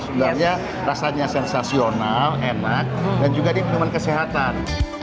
sebenarnya rasanya sensasional enak dan juga di minuman kesehatan